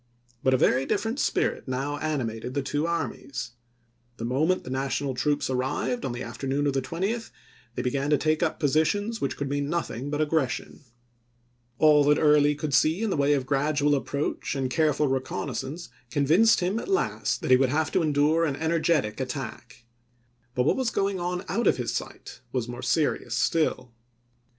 But a very different spirit now animated the two armies. The moment the National troops SHEKIDAN IN THE SHENANDOAH 307 arrived, on the afternoon of the 20th, they began to ch. xiii. take up positions which could mean nothing but sept.ise*. aggression. All that Early could see in the way of gradual approach and careful reconnaissance convinced him at last that he would have to endure an energetic attack ; but what was going on out of his sight was more serious still.